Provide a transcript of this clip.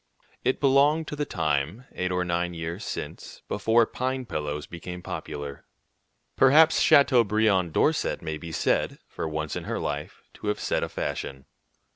It belongs to the time, eight or nine years since, before pine pillows became popular. Perhaps Chateaubriand Dorset may be said, for once in her life, to have set a fashion.